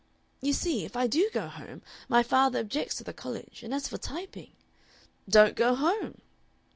"You see, if I do go home my father objects to the College, and as for typing " "Don't go home."